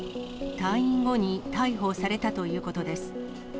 退院後に逮捕されたということです。